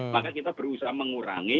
maka kita berusaha mengurangkan